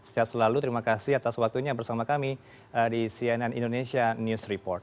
sehat selalu terima kasih atas waktunya bersama kami di cnn indonesia news report